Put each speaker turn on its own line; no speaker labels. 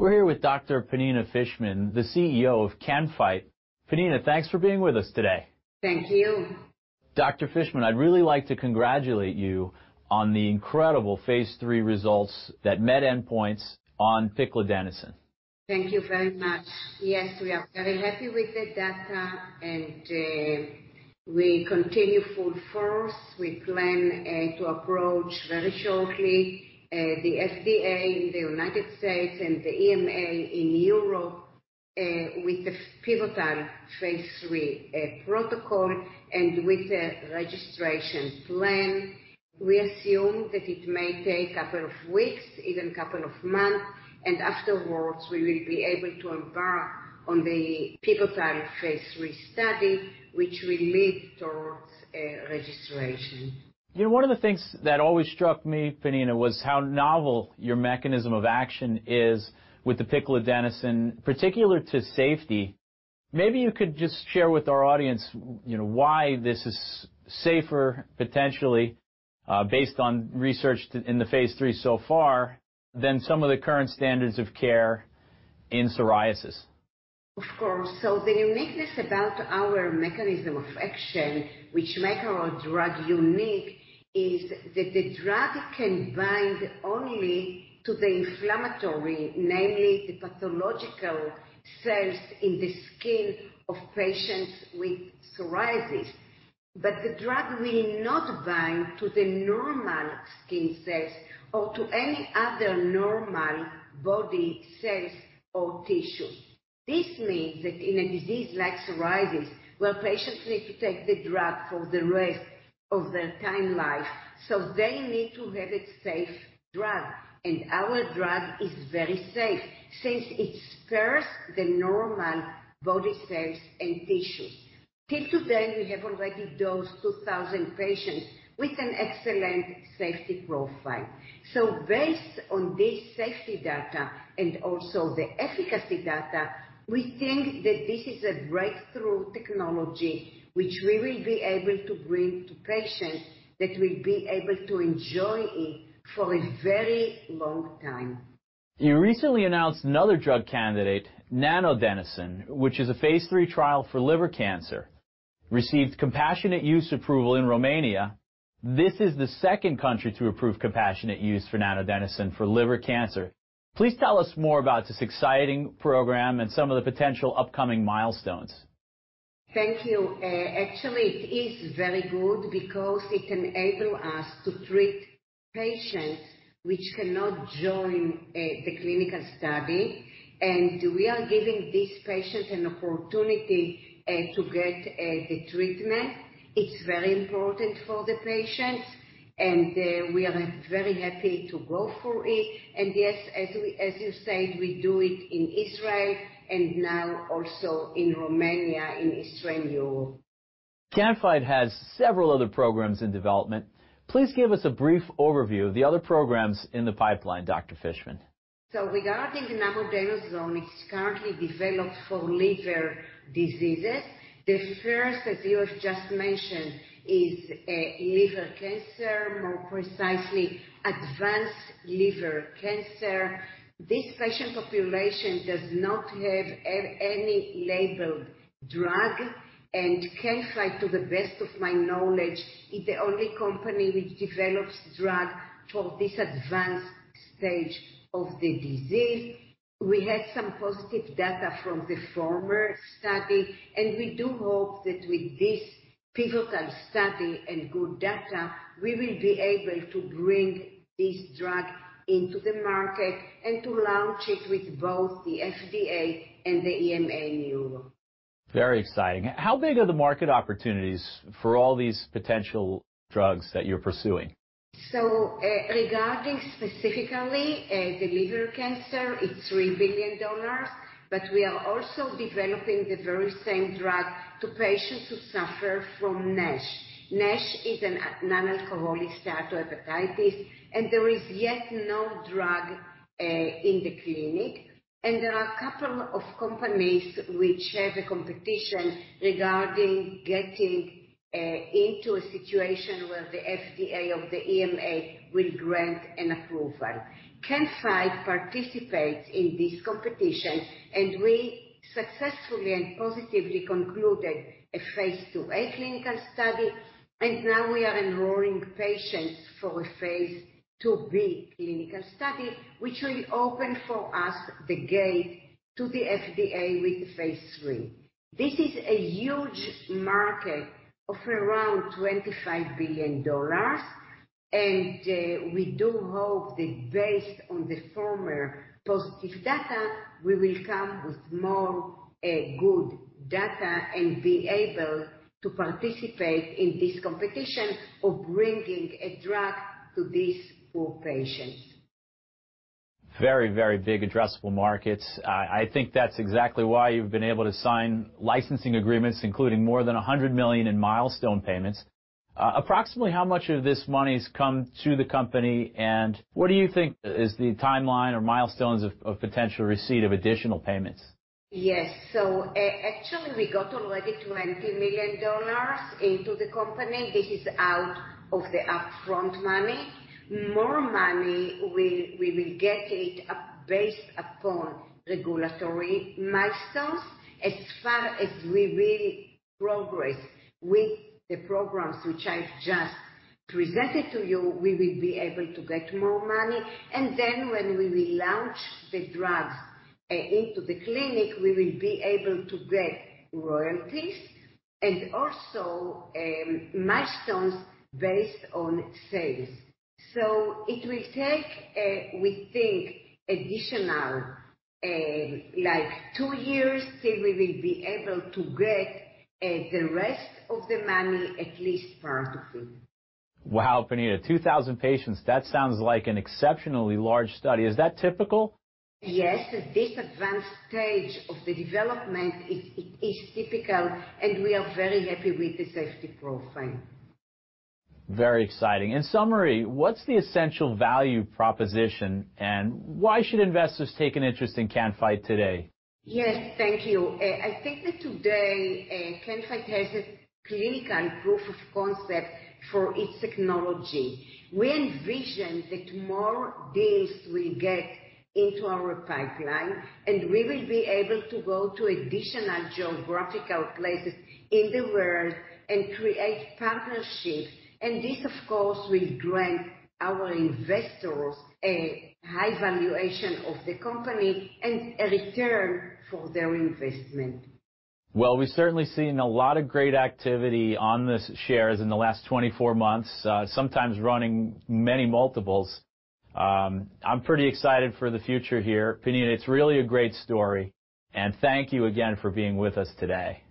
We're here with Dr. Pnina Fishman, the CEO of Can-Fite. Pnina, thanks for being with us today.
Thank you.
Dr. Pnina Fishman, I'd really like to congratulate you on the incredible phase III results that met endpoints on Piclidenoson.
Thank you very much. Yes, we are very happy with the data, and we continue full force. We plan to approach very shortly the FDA in the United States and the EMA in Europe with the pivotal phase III protocol and with the registration plan. We assume that it may take couple of weeks, even couple of month, and afterwards, we will be able to embark on the pivotal phase III study, which will lead towards registration.
You know, one of the things that always struck me, Pnina, was how novel your mechanism of action is with the Piclidenoson, particularly to safety. Maybe you could just share with our audience why this is safer, potentially, based on research in the phase III so far than some of the current standards of care in psoriasis.
Of course. The uniqueness about our mechanism of action, which make our drug unique, is that the drug can bind only to the inflammatory, namely the pathological cells in the skin of patients with psoriasis, but the drug will not bind to the normal skin cells or to any other normal body cells or tissue. This means that in a disease like psoriasis, where patients need to take the drug for the rest of their time life, so they need to have a safe drug. Our drug is very safe since it spares the normal body cells and tissues. Till today, we have already dosed 2,000 patients with an excellent safety profile. Based on this safety data and also the efficacy data, we think that this is a breakthrough technology which we will be able to bring to patients that will be able to enjoy it for a very long time.
You recently announced another drug candidate, Namodenoson, which is a phase III trial for liver cancer, received compassionate use approval in Romania. This is the second country to approve compassionate use for Namodenoson for liver cancer. Please tell us more about this exciting program and some of the potential upcoming milestones.
Thank you. Actually it is very good because it can enable us to treat patients which cannot join the clinical study, and we are giving these patients an opportunity to get the treatment. It's very important for the patients, and we are very happy to go for it. Yes, as you said, we do it in Israel and now also in Romania, in Eastern Europe.
Can-Fite has several other programs in development. Please give us a brief overview of the other programs in the pipeline, Dr. Fishman.
Regarding Namodenoson, it's currently developed for liver diseases. The first, as you have just mentioned, is liver cancer, more precisely advanced liver cancer. This patient population does not have any labeled drug. Can-Fite, to the best of my knowledge, is the only company which develops drug for this advanced stage of the disease. We had some positive data from the former study, and we do hope that with this pivotal study and good data, we will be able to bring this drug into the market and to launch it with both the FDA and the EMA in Europe.
Very exciting. How big are the market opportunities for all these potential drugs that you're pursuing?
Regarding specifically the liver cancer, it's $3 billion. We are also developing the very same drug to patients who suffer from NASH. NASH is a non-alcoholic steatohepatitis, and there is yet no drug in the clinic. There are a couple of companies which have a competition regarding getting into a situation where the FDA or the EMA will grant an approval. Can-Fite participates in this competition, and we successfully and positively concluded a Phase IIa clinical study, and now we are enrolling patients for a Phase IIb clinical study, which will open for us the gate to the FDA with phase III. This is a huge market of around $25 billion. We do hope that based on the former positive data, we will come with more, good data and be able to participate in this competition of bringing a drug to these poor patients.
Very, very big addressable markets. I think that's exactly why you've been able to sign licensing agreements, including more than $100 million in milestone payments. Approximately how much of this money's come to the company, and what do you think is the timeline or milestones of potential receipt of additional payments?
Yes. Actually we got already $20 million into the company. This is out of the upfront money. More money, we will get it based upon regulatory milestones. As far as we will progress with the programs which I've just presented to you, we will be able to get more money. Then when we will launch the drugs into the clinic, we will be able to get royalties and also milestones based on sales. It will take, we think additional like two years till we will be able to get the rest of the money, at least part of it.
Wow, Pnina, 2,000 patients, that sounds like an exceptionally large study. Is that typical?
Yes. At this advanced stage of the development it is typical, and we are very happy with the safety profile.
Very exciting. In summary, what's the essential value proposition, and why should investors take an interest in Can-Fite today?
Yes, thank you. I think that today, Can-Fite has a clinical proof of concept for its technology. We envision that more deals will get into our pipeline, and we will be able to go to additional geographical places in the world and create partnerships. This, of course, will grant our investors a high valuation of the company and a return for their investment.
Well, we've certainly seen a lot of great activity on the shares in the last 24 months, sometimes running many multiples. I'm pretty excited for the future here. Pnina, it's really a great story, and thank you again for being with us today.